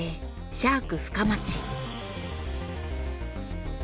シャーク深町。